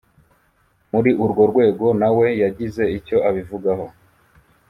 muri urwo rwego na we yagize icyo abivugaho